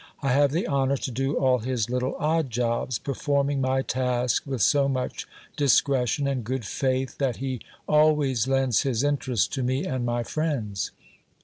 I have the honour to do all his little odd jobs, performing my task with so much discretion and good faith, that he always lends his interest to me and my friends.